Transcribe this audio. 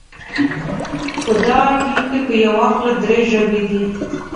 په دغه ټیم کې په یوه خوله درې ژبې دي.